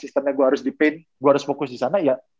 sistemnya gue harus di paint gue harus fokus disana ya